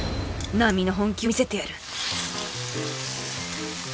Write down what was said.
並の本気を見せてやる